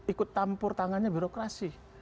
ikut tampur tangannya birokrasi